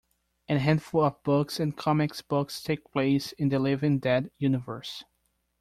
A handful of books and comics books take place in the "Living Dead" universe.